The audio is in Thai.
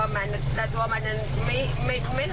มีหลานร้านบอกว่าอะไรนะครับ